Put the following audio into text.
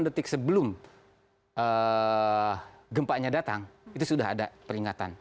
delapan detik sebelum gempa nya datang itu sudah ada peringatan